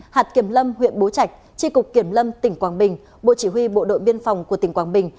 hạt kiểm lâm huyện bố trạch tri cục kiểm lâm tỉnh quảng bình bộ chỉ huy bộ đội biên phòng của tỉnh quảng bình